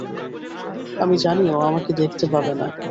আমি জানি ও আমাকে দেখতে পাবে না।